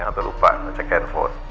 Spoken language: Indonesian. hanya lupa cek handphone